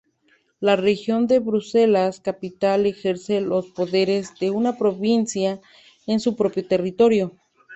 La región de Bruselas-Capital ejerce los poderes de una provincia en su propio territorio.